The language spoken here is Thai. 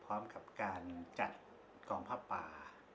พร้อมกับการจัดกองผ้าป่า